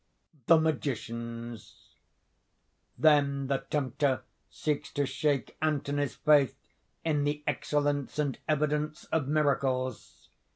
THE MAGICIANS Then the Tempter seeks to shake Anthony's faith in the excellence and evidence of miracles.